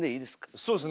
そうですね